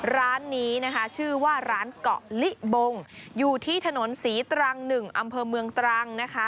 ร้านนี้นะคะชื่อว่าร้านเกาะลิบงอยู่ที่ถนนศรีตรัง๑อำเภอเมืองตรังนะคะ